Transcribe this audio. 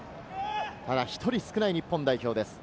１人少ない日本代表です。